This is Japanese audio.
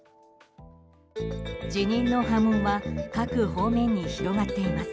辞任の波紋は各方面に広がっています。